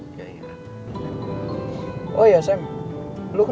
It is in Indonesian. sampai jumpa lagi